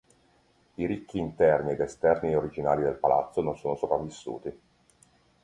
I ricchi interni ed esterni originali del palazzo non sono sopravvissuti.